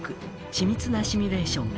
「緻密なシミュレーションが」